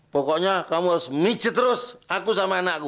pokoknya kamu harus miji terus aku sama anakku